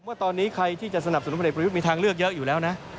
เลยค่ะว่าตอนนี้ใครที่จะสนับสนุนในประโยชน์มีทางเลือกเยอะอยู่แล้วนะ